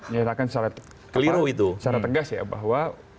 nyatakan secara tegas ya bahwa